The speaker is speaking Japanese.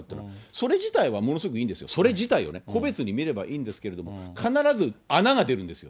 それ自体はものすごくいいんですよ、それ自体を個別に見ればいいんですけど、必ず穴が出るんですよ。